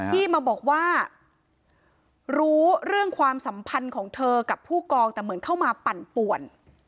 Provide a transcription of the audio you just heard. ที่มาบอกว่ารู้เรื่องความสัมพันธ์ของเธอกับผู้กองแต่เหมือนเข้ามาปั่นป่วน